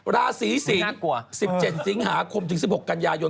ราศีสิงศ์๑๗สิงหาคมถึง๑๖กันยายน